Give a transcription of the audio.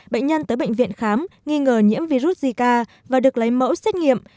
bệnh nhân tới bệnh viện khám nghi ngờ nhiễm virus zika và được lấy mẫu xét nghiệm